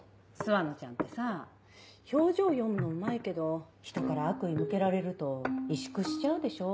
諏訪野ちゃんってさぁ表情読むのうまいけど人から悪意向けられると萎縮しちゃうでしょ。